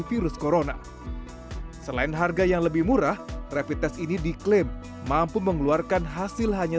virus corona selain harga yang lebih murah rapid test ini diklaim mampu mengeluarkan hasil hanya